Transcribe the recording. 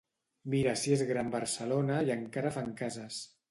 Mira si és gran Barcelona i encara fan cases.